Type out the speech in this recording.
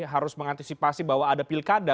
harus mengantisipasi bahwa ada pilkada